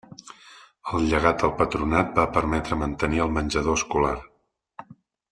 El llegat al patronat va permetre mantenir el menjador escolar.